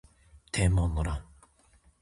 天文の乱